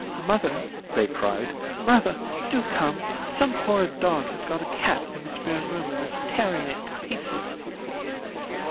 'Mother!' they cried, 'Mother! Do come! Some horrid dog has got a cat in the spare room and is tearing it to pieces.'